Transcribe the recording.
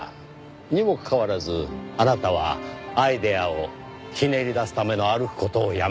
にもかかわらずあなたはアイデアをひねり出すための歩く事をやめてしまった。